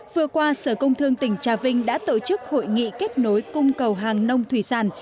vừa qua sở công thương tỉnh trà vinh đã tổ chức hội nghị kết nối cung cầu hàng nông thủy sản